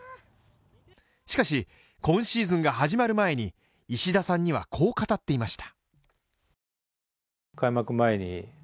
しかし、今シーズンが始まる前に石田さんにはこう語っていました。